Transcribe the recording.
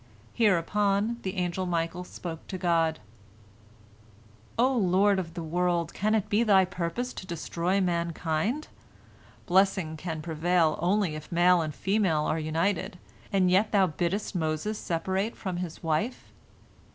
Hereupon the angel Michael spoke to God: "O Lord of the world, can it be Thy purpose to destroy mankind? Blessing can prevail only if male and female are united, and yet Thou biddest Moses separate from his wife."